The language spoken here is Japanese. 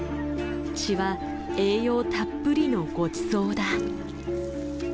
血は栄養たっぷりのごちそうだ。